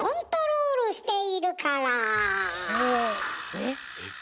えっ。